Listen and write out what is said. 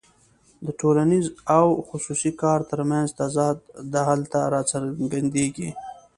د ټولنیز او خصوصي کار ترمنځ تضاد هلته راڅرګندېږي